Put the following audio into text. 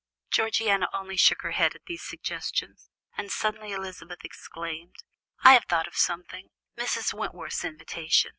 Georgiana only shook her head at these suggestions, and suddenly Elizabeth exclaimed: "I have thought of something Mrs. Wentworth's invitation!